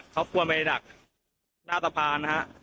เขากลัวไปดักหน้าสะพาน